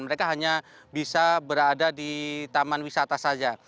mereka hanya bisa berada di taman wisata saja